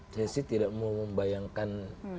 saya sih tidak mau membayangkan